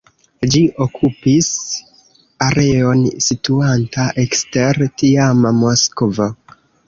Ĝi okupis areon situantan ekster tiama Moskvo.